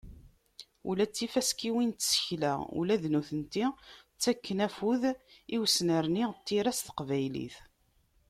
Ula d tifaskiwin n tsekla, ula d nutenti, ttakken afud i usnerni n tira s teqbaylit.